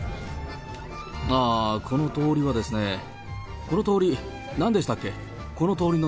ああ、この通りはですね、この通り、なんでしたっけ。